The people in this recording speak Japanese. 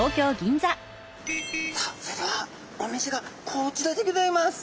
さあそれではお店がこちらでギョざいます。